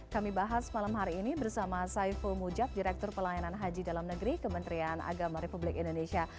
kami bahas malam hari ini bersama saiful mujad direktur pelayanan haji dalam negeri kementerian agama republik indonesia